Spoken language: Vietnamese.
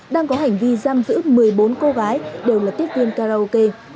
đang có hành vi giam giữ một mươi bốn cô gái đều là tiếp viên karaoke